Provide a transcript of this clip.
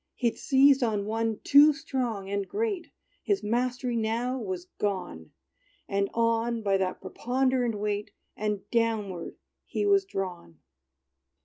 He'd seized on one too strong and great; His mastery now was gone! And on, by that preponderant weight, And downward, he was drawn.